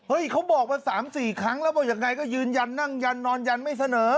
เฮ้ยเขาบอกว่าสามสี่ครั้งแล้วบอกอย่างไรก็ยืนยันนั่งยันนอนยันไม่เสนอ